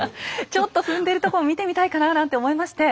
ちょっと踏んでるとこを見てみたいかななんて思いまして。